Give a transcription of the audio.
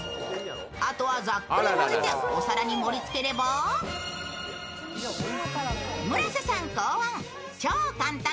あとはざっくり混ぜてお皿に盛りつければ村瀬さん考案、超簡単！